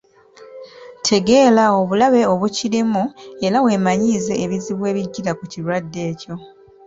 Tegeera obulabe obukirimu era weemanyiize ebizibu ebijjira ku kirwadde ekyo.